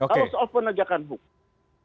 kalau soal penegakan hukum